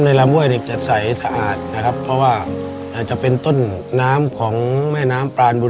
ในแคมเปญพิเศษเกมต่อชีวิตโรงเรียนของหนู